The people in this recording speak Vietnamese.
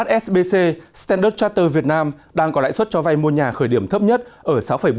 hsbc standard charter việt nam đang có lãi suất cho vay mua nhà khởi điểm thấp nhất ở sáu bốn mươi chín